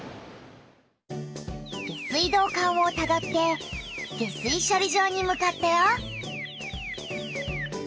下水道管をたどって下水しょり場にむかったよ。